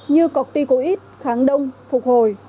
như corticoid kháng đông phục hồi